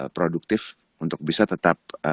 produktif untuk bisa tetap